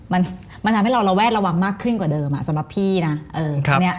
มันมันทำให้เราระแวดระวังมากขึ้นกว่าเดิมอ่ะสำหรับพี่นะเออเนี้ย